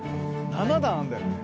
７段あるんだよね？